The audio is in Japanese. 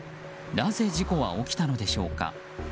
なぜ事故は起きたのでしょうか。